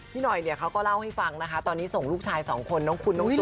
พี่หน่อยเนี่ยเขาก็เล่าให้ฟังนะคะตอนนี้ส่งลูกชาย๒คนน้องคุณน้องตุ๊กเนี่ยค่ะ